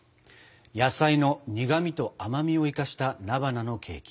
野菜の苦みと甘みを生かした菜花のケーキ。